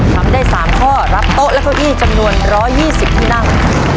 ทำได้๓ข้อรับโต๊ะและเก้าอี้จำนวน๑๒๐ที่นั่ง